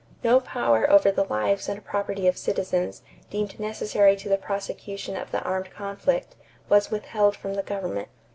No power over the lives and property of citizens, deemed necessary to the prosecution of the armed conflict, was withheld from the government.